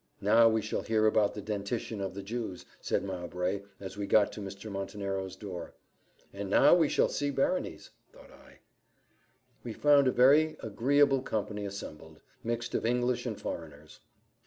"Now we shall hear about the dentition of the Jew," said Mowbray, as we got to Mr. Montenero's door. And now we shall see Berenice! thought I. We found a very agreeable company assembled, mixed of English and foreigners.